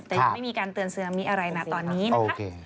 แต่ยังไม่มีการเตือนซึนามิอะไรนะตอนนี้นะคะ